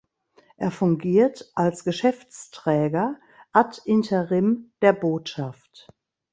Er fungiert als Geschäftsträger "ad interim" der Botschaft.